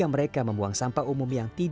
ada yang putih